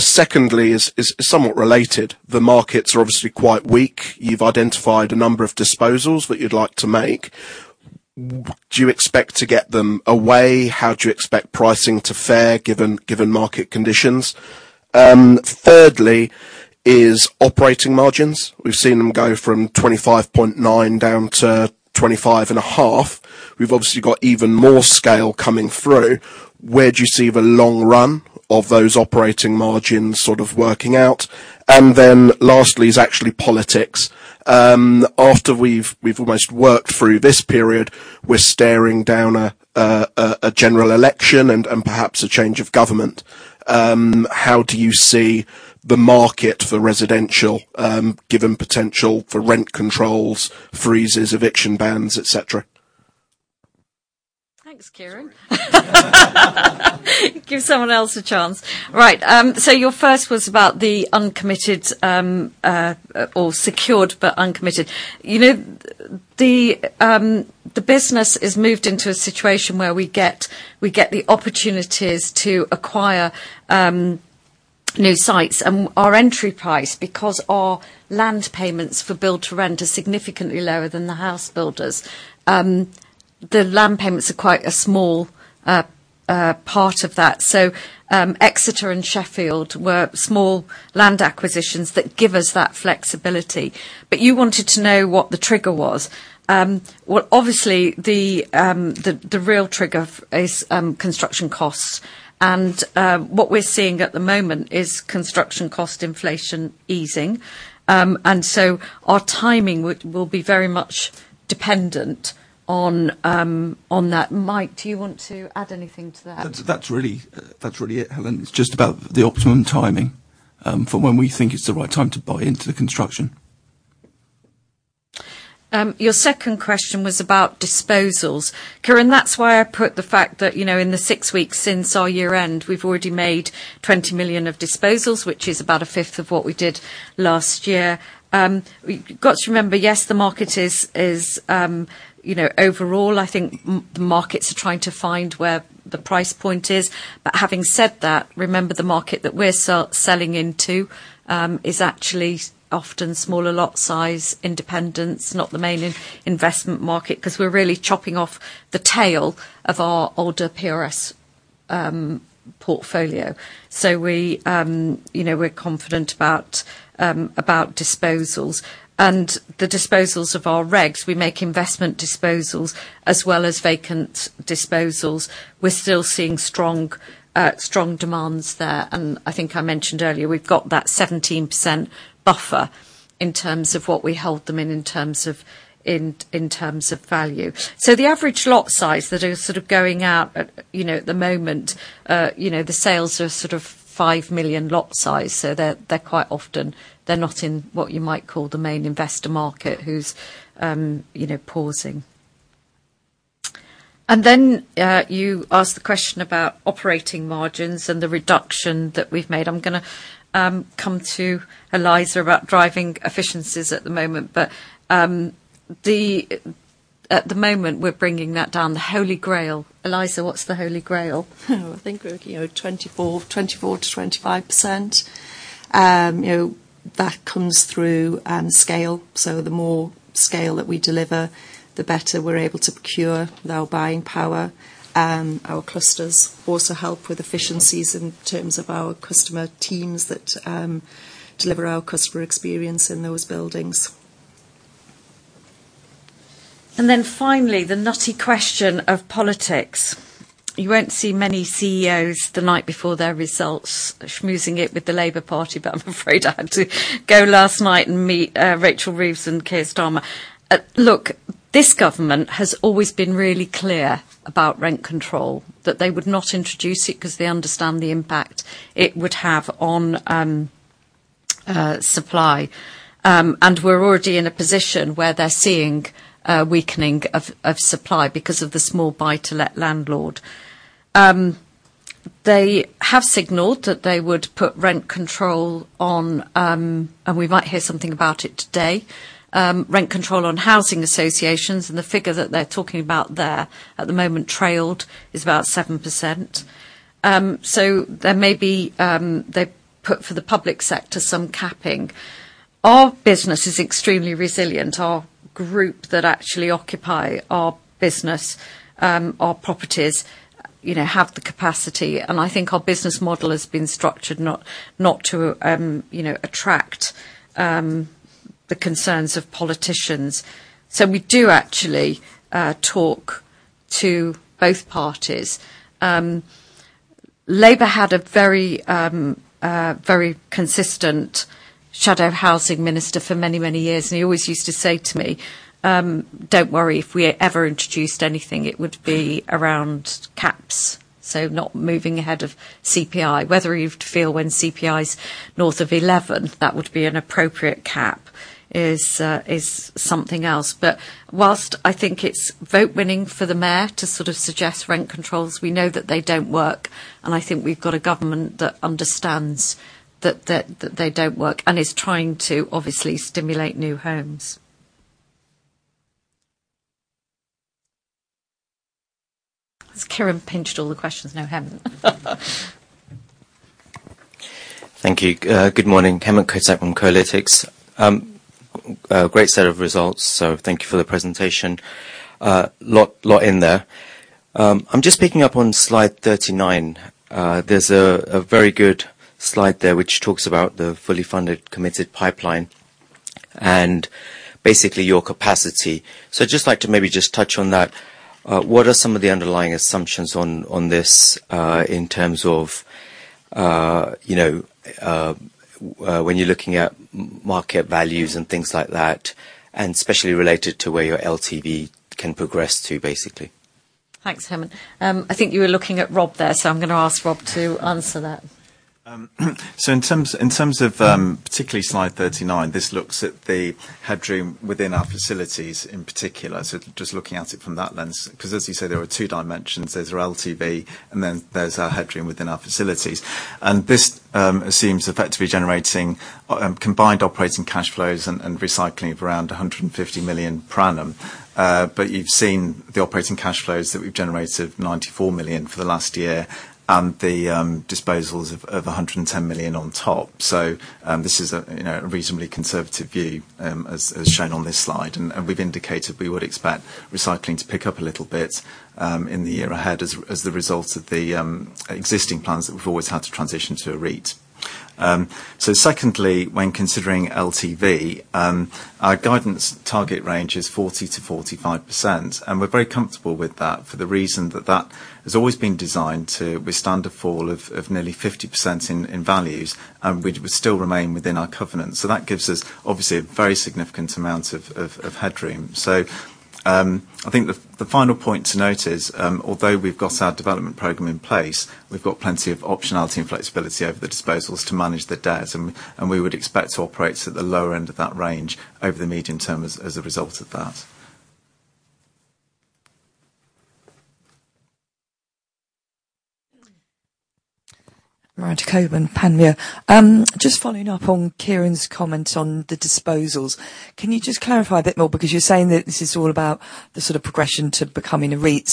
Secondly is somewhat related. The markets are obviously quite weak. You've identified a number of disposals that you'd like to make. Do you expect to get them away? How do you expect pricing to fare given market conditions? Thirdly is operating margins. We've seen them go from 25.9% down to 25.5%. We've obviously got even more scale coming through. Where do you see the long run of those operating margins sort of working out? Lastly is actually politics. After we've almost worked through this period, we're staring down a general election and perhaps a change of government. How do you see the market for residential given potential for rent controls, freezes, eviction bans, et cetera? Thanks, Kieran. Give someone else a chance. Right. Your first was about the uncommitted or secured, but uncommitted. You know, the business is moved into a situation where we get the opportunities to acquire new sites. Our entry price, because our land payments for Build to Rent are significantly lower than the house builders. The land payments are quite a small part of that. Exeter and Sheffield were small land acquisitions that give us that flexibility. You wanted to know what the trigger was. Well, obviously the real trigger is construction costs. What we're seeing at the moment is construction cost inflation easing. Our timing will be very much dependent on that. Mike, do you want to add anything to that? That's really it, Helen. It's just about the optimum timing for when we think it's the right time to buy into the construction. Your second question was about disposals. Kieran, that's why I put the fact that, you know, in the six weeks since our year end, we've already made 20 million of disposals, which is about a fifth of what we did last year. You've got to remember, yes, the market is, you know, overall, I think the markets are trying to find where the price point is. Having said that, remember the market that we're selling into is actually often smaller lot size, independents, not the main investment market, 'cause we're really chopping off the tail of our older PRS portfolio. You know, we're confident about disposals. The disposals of our regs, we make investment disposals as well as vacant disposals. We're still seeing strong demands there. I think I mentioned earlier, we've got that 17% buffer in terms of what we held them in terms of value. The average lot size that are sort of going out at the moment, you know, the sales are sort of 5 million lot size. They're quite often, they're not in what you might call the main investor market who's, you know, pausing. You asked the question about operating margins and the reduction that we've made. I'm gonna come to Eliza about driving efficiencies at the moment. At the moment, we're bringing that down. The holy grail. Eliza, what's the holy grail? Oh, I think we're looking at 24%-25%. You know, that comes through scale. The more scale that we deliver, the better we're able to procure with our buying power. Our clusters also help with efficiencies in terms of our customer teams that deliver our customer experience in those buildings. Finally, the nutty question of politics. You won't see many CEOs the night before their results schmoozing it with the Labour Party, but I'm afraid I had to go last night and meet Rachel Reeves and Keir Starmer. Look, this government has always been really clear about rent control, that they would not introduce it 'cause they understand the impact it would have on supply. We're already in a position where they're seeing a weakening of supply because of the small buy-to-let landlord. They have signaled that they would put rent control on, and we might hear something about it today. Rent control on housing associations and the figure that they're talking about there at the moment trailed is about 7%. There may be, they put for the public sector some capping. Our business is extremely resilient. Our group that actually occupy our properties, you know, have the capacity, and I think our business model has been structured not to, you know, attract the concerns of politicians. We do actually talk to both parties. Labour had a very consistent shadow housing minister for many, many years, and he always used to say to me, "Don't worry. If we ever introduced anything, it would be around caps." Not moving ahead of CPI. Whether you'd feel when CPI is north of 11, that would be an appropriate cap is something else. Whilst I think it's vote-winning for the Mayor to sort of suggest rent controls, we know that they don't work, and I think we've got a government that understands that they don't work and is trying to obviously stimulate new homes. Has Kieran pinched all the questions? No, he hasn't. Thank you. Good morning. Hemant Kotak from Kolytics. A great set of results, so thank you for the presentation. Lot in there. I'm just picking up on slide 39. There's a very good slide there which talks about the fully funded committed pipeline and basically your capacity. Just like to maybe just touch on that. What are some of the underlying assumptions on this in terms of, you know, when you're looking at market values and things like that, and especially related to where your LTV can progress to, basically? Thanks, Hemant. I think you were looking at Rob there, so I'm gonna ask Rob to answer that. In terms of particularly slide 39, this looks at the headroom within our facilities in particular. Just looking at it from that lens, 'cause as you say, there are two dimensions. There's our LTV and then there's our headroom within our facilities. This assumes effectively generating combined operating cash flows and recycling of around 150 million per annum. You've seen the operating cash flows that we've generated 94 million for the last year and the disposals of 110 million on top. This is a, you know, a reasonably conservative view as shown on this slide. We've indicated we would expect recycling to pick up a little bit in the year ahead as the result of the existing plans that we've always had to transition to a REIT. Secondly, when considering LTV, our guidance target range is 40%-45%, and we're very comfortable with that for the reason that that has always been designed to withstand a fall of nearly 50% in values and we would still remain within our covenant. That gives us obviously a very significant amount of headroom. I think the final point to note is, although we've got our development program in place, we've got plenty of optionality and flexibility over the disposals to manage the debt and we would expect to operate at the lower end of that range over the medium term as a result of that. Miranda Cockburn, Panmure. Just following up on Kieran's comment on the disposals. Can you just clarify a bit more? Because you're saying that this is all about the sort of progression to becoming a REIT.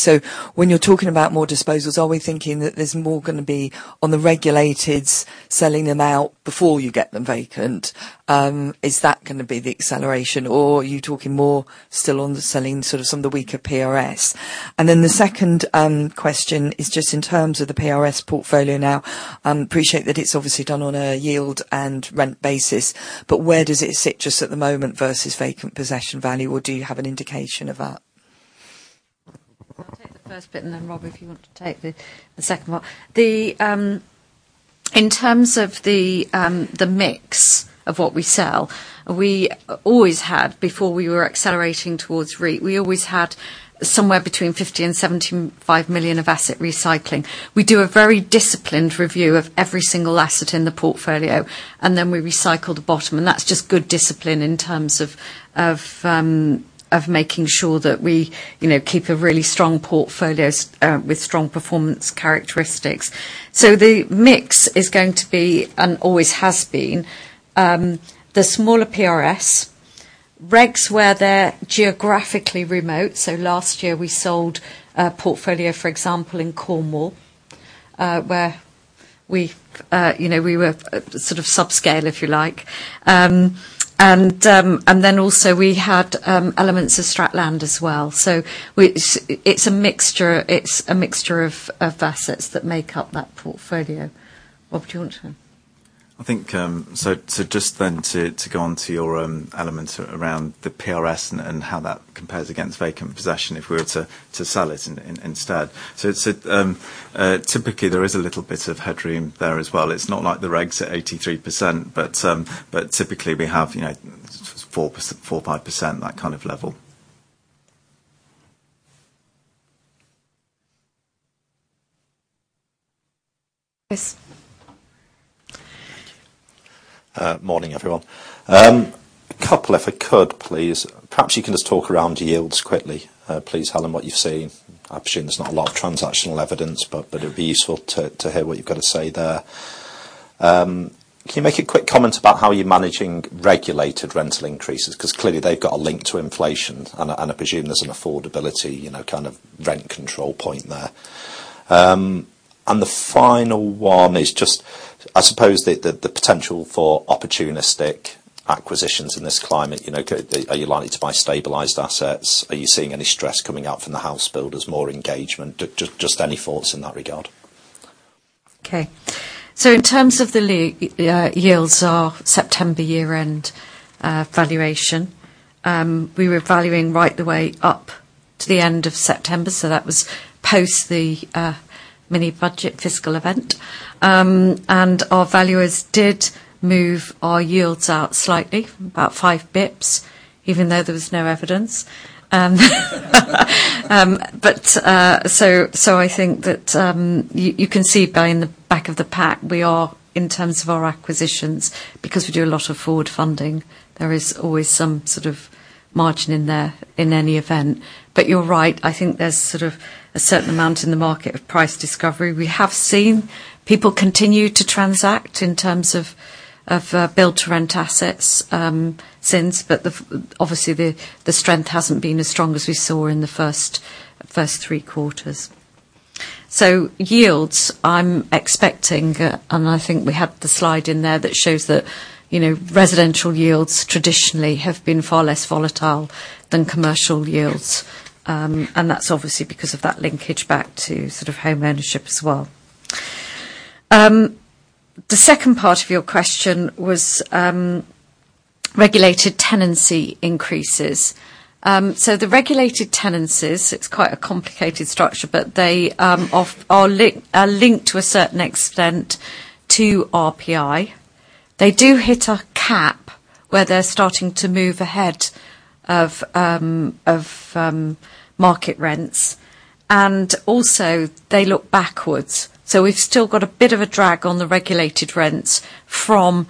When you're talking about more disposals, are we thinking that there's more gonna be on the regulateds, selling them out before you get them vacant? Is that gonna be the acceleration or are you talking more still on the selling sort of some of the weaker PRS? The second question is just in terms of the PRS portfolio now, appreciate that it's obviously done on a yield and rent basis, but where does it sit just at the moment versus vacant possession value, or do you have an indication of that? I'll take the first bit, and then Rob, if you want to take the second one. In terms of the mix of what we sell, before we were accelerating towards REIT, we always had somewhere between 50 million and 75 million of asset recycling. We do a very disciplined review of every single asset in the portfolio, and then we recycle the bottom. That's just good discipline in terms of making sure that we, you know, keep a really strong portfolio with strong performance characteristics. The mix is going to be, and always has been, the smaller PRS, Regs where they're geographically remote. Last year we sold a portfolio, for example, in Cornwall, where, you know, we were sort of subscale, if you like. Also we had elements of Stratland as well. It's a mixture of assets that make up that portfolio. Rob, do you want to? I think to go on to your elements around the PRS and how that compares against vacant possession if we were to sell it instead. It's typically there is a little bit of headroom there as well. It's not like the rates are 83%, but typically we have, you know, 4%, 4%-5%, that kind of level. Chris. Morning, everyone. A couple if I could, please. Perhaps you can just talk around yields quickly. Please tell them what you've seen. I assume there's not a lot of transactional evidence, but it'd be useful to hear what you've got to say there. Can you make a quick comment about how you're managing regulated rental increases? 'Cause clearly they've got a link to inflation and I presume there's an affordability, you know, kind of rent control point there. The final one is just, I suppose the potential for opportunistic acquisitions in this climate. You know, are you likely to buy stabilized assets? Are you seeing any stress coming out from the housebuilders, more engagement? Just any thoughts in that regard. Okay. In terms of the yields, our September year-end valuation, we were valuing right the way up to the end of September. That was post the mini-budget fiscal event. Our valuers did move our yields out slightly, about five basis points, even though there was no evidence. I think that you can see in the back of the pack, in terms of our acquisitions, because we do a lot of forward funding, there is always some sort of margin in there in any event. You're right, I think there's sort of a certain amount in the market of price discovery. We have seen people continue to transact in terms of Build to Rent assets since. Obviously the strength hasn't been as strong as we saw in the first three quarters. Yields, I'm expecting, and I think we have the slide in there that shows that, you know, residential yields traditionally have been far less volatile than commercial yields. That's obviously because of that linkage back to sort of home ownership as well. The second part of your question was regulated tenancy increases. The regulated tenancies, it's quite a complicated structure, but they are linked to a certain extent to RPI. They do hit a cap where they're starting to move ahead of market rents, and also they look backwards. We've still got a bit of a drag on the regulated rents from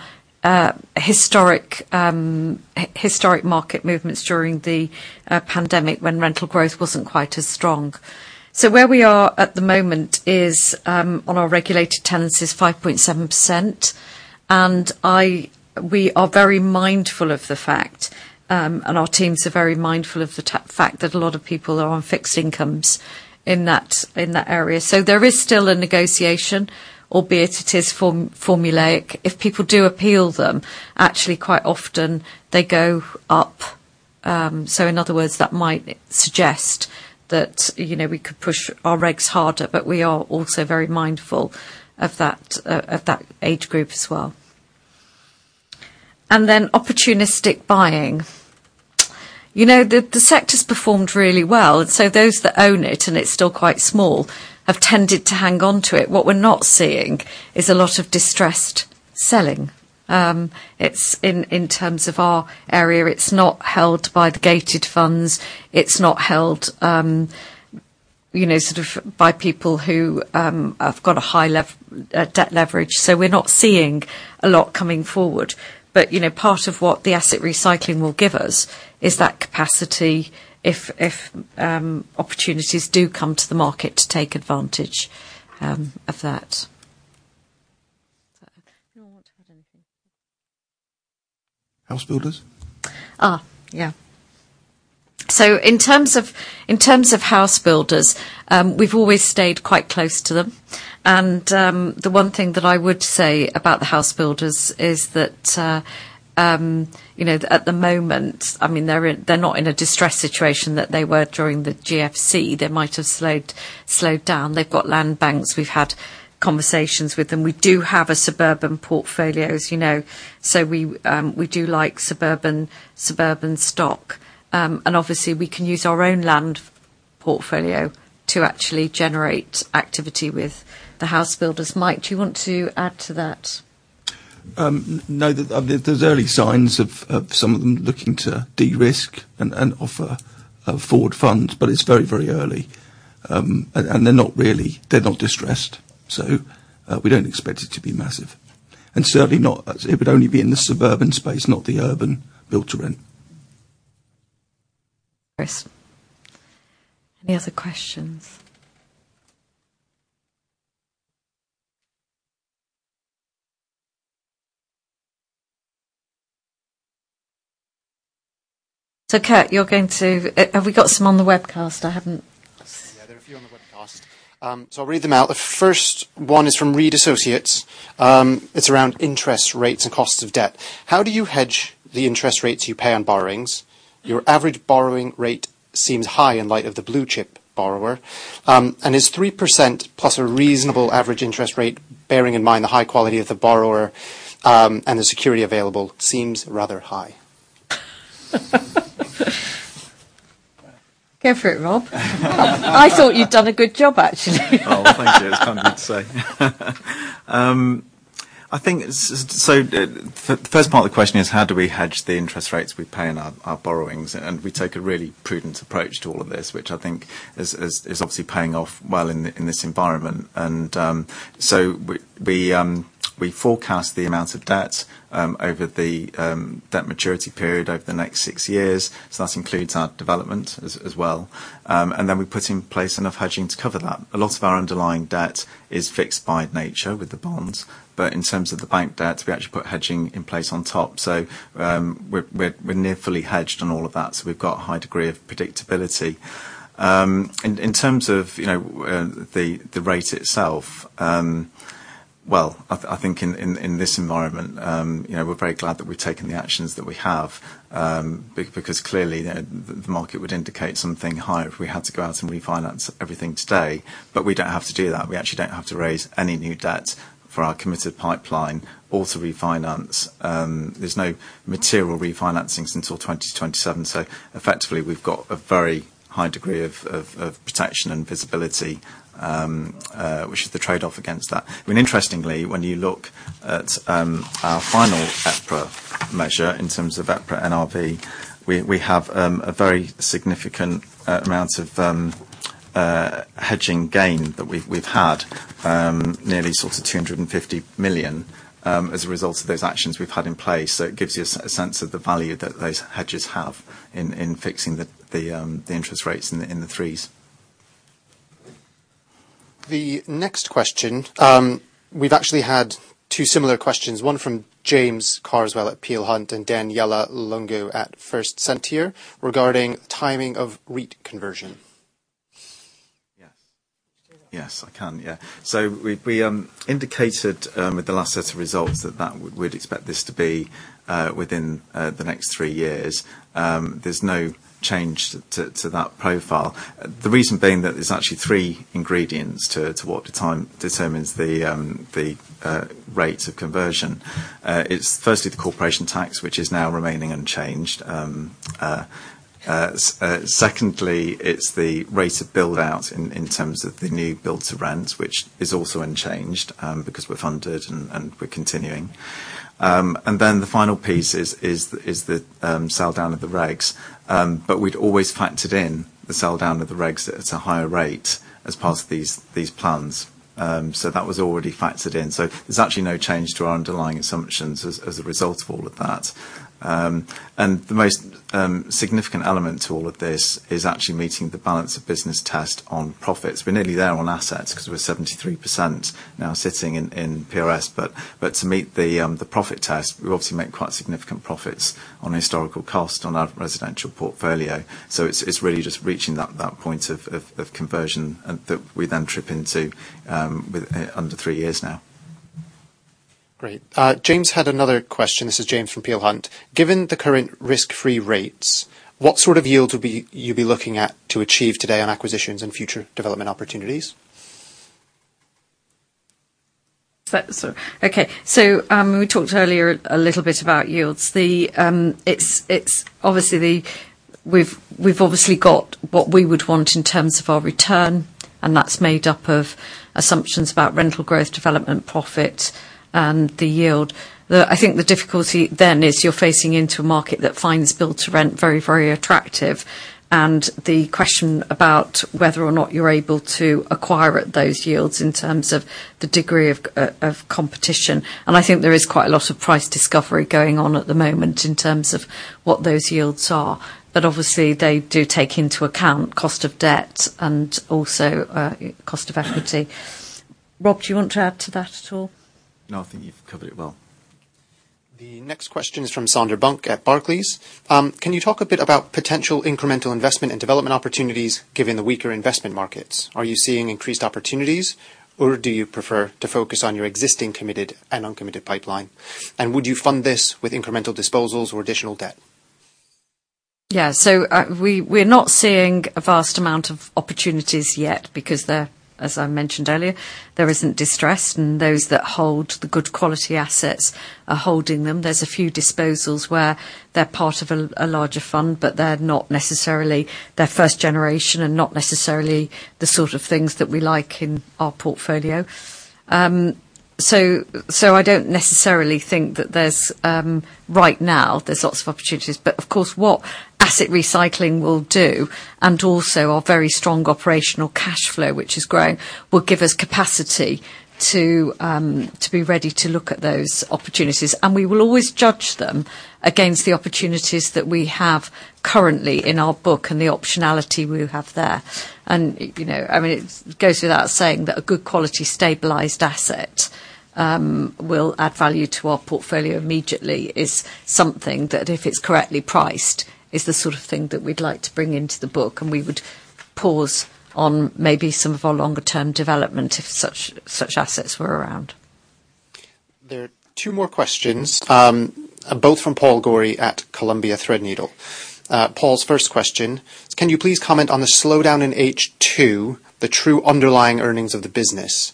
historic market movements during the pandemic when rental growth wasn't quite as strong. Where we are at the moment is on our regulated tenancies, 5.7%. We are very mindful of the fact, and our teams are very mindful of the fact that a lot of people are on fixed incomes in that area. There is still a negotiation, albeit it is formulaic. If people do appeal them, actually quite often they go up. In other words, that might suggest that, you know, we could push our regs harder, but we are also very mindful of that age group as well. Opportunistic buying. You know, the sector's performed really well, and so those that own it, and it's still quite small, have tended to hang on to it. What we're not seeing is a lot of distressed selling. It's in terms of our area, it's not held by the gated funds. It's not held, you know, sort of by people who have got a high debt leverage. We're not seeing a lot coming forward. You know, part of what the asset recycling will give us is that capacity if opportunities do come to the market to take advantage of that. You don't want to add anything? House builders? Yeah. In terms of house builders, we've always stayed quite close to them. The one thing that I would say about the house builders is that, you know, at the moment, I mean, they're not in a distressed situation that they were during the GFC. They might have slowed down. They've got land banks. We've had conversations with them. We do have a suburban portfolio, as you know, so we do like suburban stock. Obviously we can use our own land portfolio to actually generate activity with the house builders. Mike, do you want to add to that? No. There's early signs of some of them looking to de-risk and offer forward funds. It's very, very early. They're not really, they're not distressed. We don't expect it to be massive. Certainly not. It would only be in the suburban space, not the urban Build to Rent. Chris, any other questions? Kurt, have we got some on the webcast? Yeah, there are a few on the webcast. I'll read them out. The first one is from Reid Associates. It's around interest rates and costs of debt. How do you hedge the interest rates you pay on borrowings? Your average borrowing rate seems high in light of the blue-chip borrower. Is 3%+ a reasonable average interest rate, bearing in mind the high quality of the borrower? The security available seems rather high. Go for it, Rob. I thought you'd done a good job, actually. Oh, thank you. It's kind of you to say. I think the first part of the question is, how do we hedge the interest rates we pay in our borrowings? We take a really prudent approach to all of this, which I think is obviously paying off well in this environment. We forecast the amount of debt over the debt maturity period over the next six years. That includes our development as well. We put in place enough hedging to cover that. A lot of our underlying debt is fixed by nature with the bonds, but in terms of the bank debt, we actually put hedging in place on top. We're near fully hedged on all of that, so we've got a high degree of predictability. In terms of, you know, the rate itself, well, I think in this environment, you know, we're very glad that we've taken the actions that we have because clearly the market would indicate something higher if we had to go out and refinance everything today. We don't have to do that. We actually don't have to raise any new debt for our committed pipeline or to refinance. There's no material refinancing until 2027. Effectively, we've got a very high degree of protection and visibility, which is the trade-off against that. I mean, interestingly, when you look at our final EPRA measure in terms of EPRA NRV, we have a very significant amount of hedging gain that we've had, nearly sort of 250 million, as a result of those actions we've had in place. It gives you a sense of the value that those hedges have in fixing the interest rates in the threes. The next question, we've actually had two similar questions, one from James Carswell at Peel Hunt and Daniela Lungu at First Sentier regarding timing of REIT conversion. Yes. Yes, I can. Yeah. We indicated with the last set of results that we'd expect this to be within the next three years. There's no change to that profile. The reason being that there's actually three ingredients to what determines the rates of conversion. It's firstly the corporation tax, which is now remaining unchanged. Secondly, it's the rate of build-out in terms of the new Build to Rent, which is also unchanged because we're funded and we're continuing. The final piece is the sell down of the regs. We'd always factored in the sell down of the regs at a higher rate as part of these plans. That was already factored in. There's actually no change to our underlying assumptions as a result of all of that. The most significant element to all of this is actually meeting the balance of business test on profits. We're nearly there on assets because we're 73% now sitting in PRS. To meet the profit test, we obviously make quite significant profits on historical cost on our residential portfolio. It's really just reaching that point of conversion that we then trip into with under three years now. Great. James had another question. This is James from Peel Hunt. Given the current risk-free rates, what sort of yield would you be looking at to achieve today on acquisitions and future development opportunities? Okay. We talked earlier a little bit about yields. We've obviously got what we would want in terms of our return, and that's made up of assumptions about rental growth, development profit, and the yield. I think the difficulty then is you're facing into a market that finds Build to Rent very, very attractive, and the question about whether or not you're able to acquire at those yields in terms of the degree of competition. I think there is quite a lot of price discovery going on at the moment in terms of what those yields are. Obviously, they do take into account cost of debt and also cost of equity. Rob, do you want to add to that at all? No, I think you've covered it well. The next question is from Sander Bunck at Barclays. Can you talk a bit about potential incremental investment and development opportunities given the weaker investment markets? Are you seeing increased opportunities, or do you prefer to focus on your existing committed and uncommitted pipeline? Would you fund this with incremental disposals or additional debt? Yeah. We're not seeing a vast amount of opportunities yet because there, as I mentioned earlier, there isn't distress, and those that hold the good quality assets are holding them. There's a few disposals where they're part of a larger fund. They're first-generation and not necessarily the sort of things that we like in our portfolio. I don't necessarily think that right now there's lots of opportunities. Of course, what asset recycling will do, and also our very strong operational cash flow, which is growing, will give us capacity to be ready to look at those opportunities. We will always judge them against the opportunities that we have currently in our book and the optionality we have there. You know, I mean, it goes without saying that a good quality stabilized asset will add value to our portfolio immediately, is something that if it's correctly priced, is the sort of thing that we'd like to bring into the book, and we would pause on maybe some of our longer-term development if such assets were around. There are two more questions, both from Paul Gorrie at Columbia Threadneedle. Paul's first question, can you please comment on the slowdown in H2, the true underlying earnings of the business,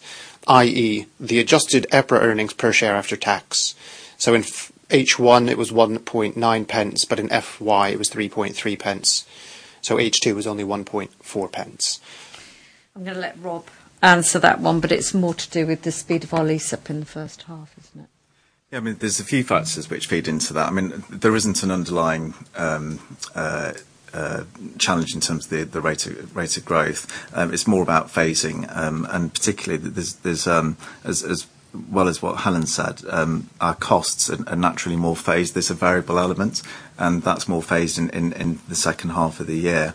i.e., the adjusted EPRA earnings per share after tax? In H1, it was 0.019, but in FY, it was 0.033, so H2 was only 0.014. I'm gonna let Rob answer that one, but it's more to do with the speed of our lease-up in the first half, isn't it? Yeah. I mean, there's a few factors which feed into that. I mean, there isn't an underlying challenge in terms of the rate of growth. It's more about phasing, and particularly, as well as what Helen said, our costs are naturally more phased. There's a variable element, and that's more phased in the second half of the year.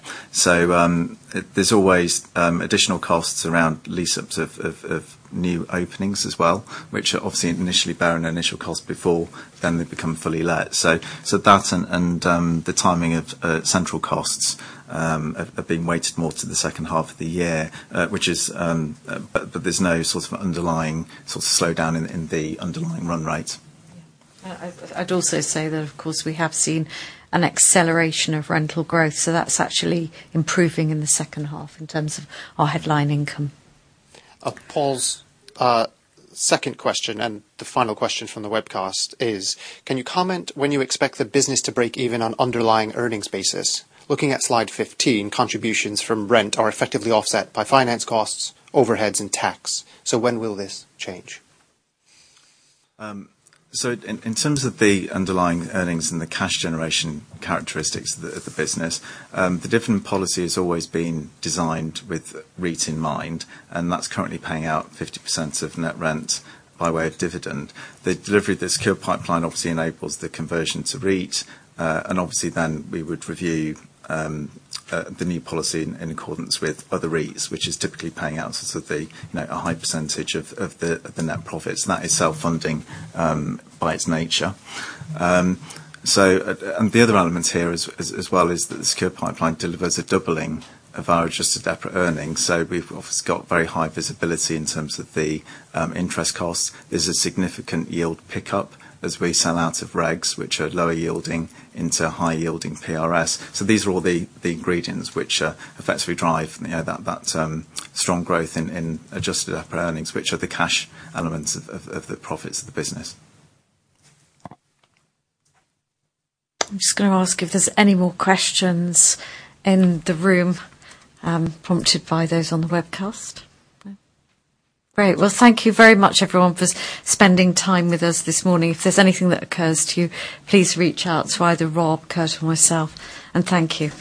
There's always additional costs around lease-ups of new openings as well, which obviously initially bear an initial cost before then they become fully let. That and the timing of central costs have been weighted more to the second half of the year, but there's no sort of underlying sort of slowdown in the underlying run rate. Yeah. I'd also say that, of course, we have seen an acceleration of rental growth, so that's actually improving in the second half in terms of our headline income. Paul's second question, and the final question from the webcast is, can you comment when you expect the business to break even on underlying earnings basis? Looking at slide 15, contributions from rent are effectively offset by finance costs, overheads, and tax. When will this change? Um, so in terms of the underlying earnings and the cash generation characteristics of the business, um, the dividend policy has always been designed with REIT in mind, and that's currently paying out 50% of net rent by way of dividend. The delivery of the secure pipeline obviously enables the conversion to REIT. Uh, and obviously then we would review, um, uh, the new policy in accordance with other REITs, which is typically paying out sort of the, you know, a high percentage of the net profits, and that is self-funding, um, by its nature. Um, so, uh, and the other element here as well, is that the secure pipeline delivers a doubling of our adjusted EPRA earnings. So we've got very high visibility in terms of the, um, interest costs. There's a significant yield pickup as we sell out of Regs, which are lower yielding into high yielding PRS. These are all the ingredients which effectively drive, you know, that strong growth in adjusted EPRA earnings, which are the cash elements of the profits of the business. I'm just gonna ask if there's any more questions in the room prompted by those on the webcast. No? Great. Well, thank you very much, everyone, for spending time with us this morning. If there's anything that occurs to you, please reach out to either Rob, Kurt, or myself. Thank you.